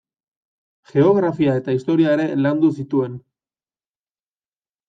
Geografia eta historia ere landu zituen.